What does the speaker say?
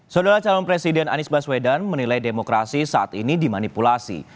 saudara calon presiden anies baswedan menilai demokrasi saat ini dimanipulasi